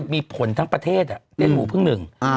โทษทีน้องโทษทีน้อง